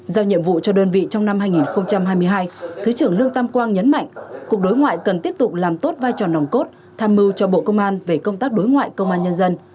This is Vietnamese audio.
giao nhiệm vụ cho đơn vị trong năm hai nghìn hai mươi hai thứ trưởng lương tam quang nhấn mạnh cục đối ngoại cần tiếp tục làm tốt vai trò nòng cốt tham mưu cho bộ công an về công tác đối ngoại công an nhân dân